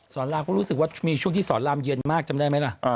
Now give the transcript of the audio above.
รามก็รู้สึกว่ามีช่วงที่สอนรามเย็นมากจำได้ไหมล่ะ